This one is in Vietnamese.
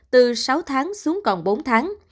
từ sáu tháng xuống còn bốn tháng